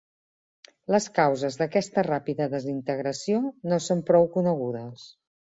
Les causes d'aquesta ràpida desintegració no són prou conegudes.